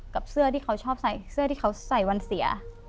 กับเสื้อที่เขาชอบใส่เสื้อที่เขาใส่วันเสีย